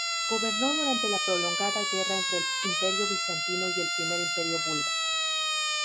Gobernó durante la prolongada guerra entre el Imperio bizantino y el Primer Imperio Búlgaro.